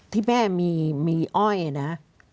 ที่แม่มีอ้อยนะ